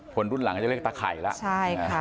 คนรุ่นหลังก็จะเรียกตาไข่แล้วใช่ค่ะ